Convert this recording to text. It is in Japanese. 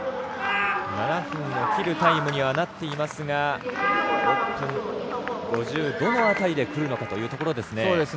７分を切るタイムにはなっていますが６分５０どのあたりでくるかというところですね。